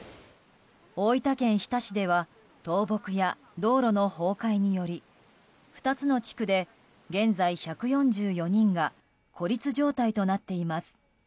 大分県日田市では倒木や道路の崩壊により２つの地区で現在１４４人が孤立状態となっています。